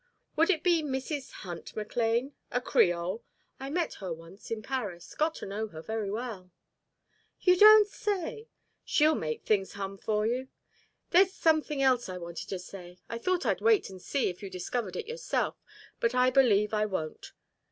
"Would it be Mrs. Hunt McLane a Creole? I met her once in Paris got to know her very well." "You don't say. She'll make things hum for you. There's something else I wanted to say. I thought I'd wait and see if you discovered it yourself, but I believe I won't.